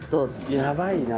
やばいな。